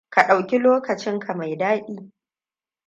Ka ɗauki lokacin ka mai daɗi.